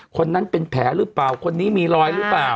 คนนั้นเป็นแผลหรือเปล่าคนนี้มีรอยหรือเปล่า